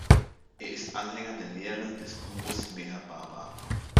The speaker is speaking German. Er ist Anhänger der Lehren des Gurus Meher Baba.